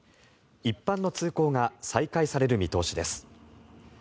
一般の通行が再開される見通しです。